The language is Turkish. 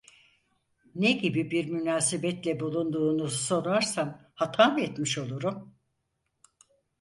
Ne gibi bir münasebetle bulunduğunu sorarsam hata mı etmiş olurum?